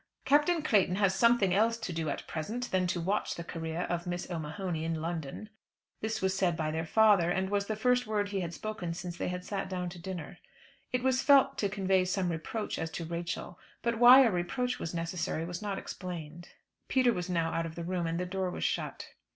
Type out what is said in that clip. "Captain Clayton has something else to do at present than to watch the career of Miss O'Mahony in London." This was said by their father, and was the first word he had spoken since they had sat down to dinner. It was felt to convey some reproach as to Rachel; but why a reproach was necessary was not explained. Peter was now out of the room, and the door was shut.